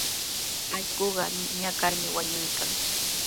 Allquqa ñakarmi wañuykan.